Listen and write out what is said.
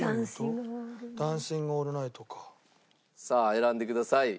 選んでください。